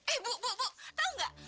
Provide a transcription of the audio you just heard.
eh bu bu bu tau gak